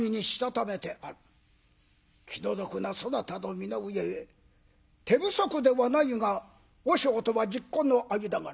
気の毒なそなたの身の上ゆえ手不足ではないが和尚とはじっこんの間柄。